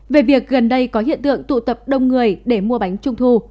về việc gần đây có hiện tượng tụ tập đông người để mua bánh trung thu